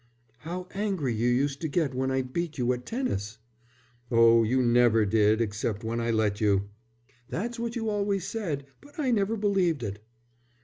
"How angry you used to get when I beat you at tennis." "Oh, you never did except when I let you." "That's what you always said, but I never believed it."